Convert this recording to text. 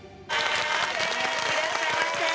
いらっしゃいませー！